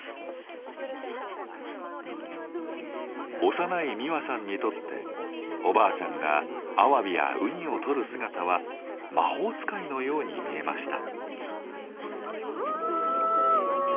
幼い実和さんにとっておばあちゃんがアワビやウニをとる姿は魔法使いのように見えました。